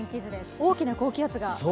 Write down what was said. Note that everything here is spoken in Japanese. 大きな高気圧が。